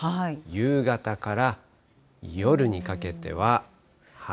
夕方から夜にかけては。